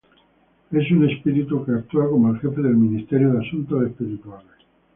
Es un espíritu que actúa como el jefe del Ministerio de Asuntos Espirituales.